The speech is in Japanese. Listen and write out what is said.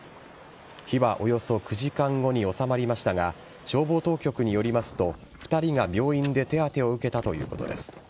火はおよそ９時間後に収まりましたが消防当局によりますと２人が病院で手当を受けたということです。